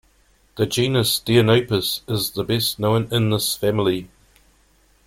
The genus "Deinopis" is the best known in this family.